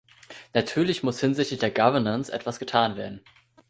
Natürlich muss hinsichtlich der Governance etwas getan werden.